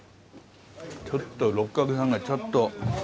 ちょっと六角さんがちょっと。